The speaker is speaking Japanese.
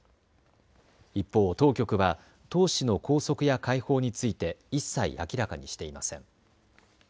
一方、当局は唐氏の拘束や解放について一切明らかにしていません。